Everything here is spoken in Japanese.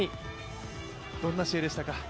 どんな試合でしたか？